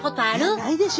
いやないでしょ。